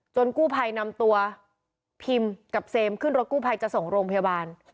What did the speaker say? กู้ภัยนำตัวพิมกับเซมขึ้นรถกู้ภัยจะส่งโรงพยาบาล